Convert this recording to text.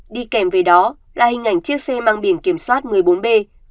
đi kèm về đó là hình ảnh chiếc xe mang biển kiểm soát một mươi bốn b bốn nghìn hai trăm bảy mươi tám